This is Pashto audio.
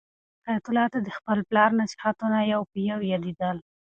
حیات الله ته د خپل پلار نصیحتونه یو په یو یادېدل.